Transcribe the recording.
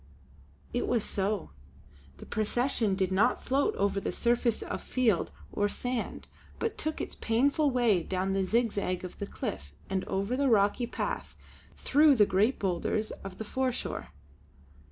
It was so. The procession did not float over the surface of field or sand, but took its painful way down the zigzag of the cliff and over the rocky path through the great boulders of the foreshore.